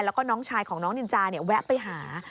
แล้วก็น้องชายของน้องนินจาแวะไปหา